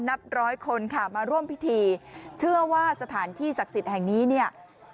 นับร้อยคนค่ะมาร่วมพิธีเชื่อว่าสถานที่ศักดิ์สิทธิ์แห่งนี้เนี่ย